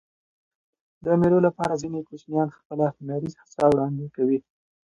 د مېلو له پاره ځيني کوچنيان خپله هنري هڅه وړاندي کوي.